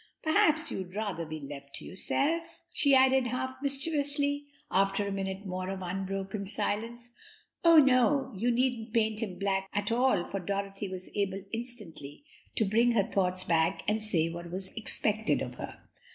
"Perhaps you'd rather be left to yourself?" she added half mischievously, after a minute or more of unbroken silence. 'Oh, no; you didn't paint him black at all for Dorothy was able instantly to bring her thoughts hack and say what was expected of her.